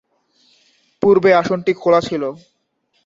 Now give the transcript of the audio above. পূর্বে আসনটি খোলা ছিল।